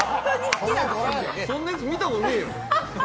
そんなやつ、見たことねぇよ！